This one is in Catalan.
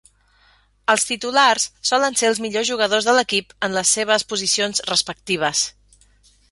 Els titulars solen ser els millors jugadors de l'equip en les seves posicions respectives.